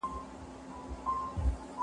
که په نکاح کي کوم اړخ تيروتلی وي څه کيږي؟